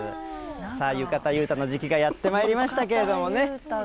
さあ、浴衣裕太の時期がやってまいりましたけれどもね。